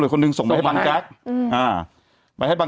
แต่หนูจะเอากับน้องเขามาแต่ว่า